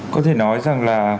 có thể nói rằng là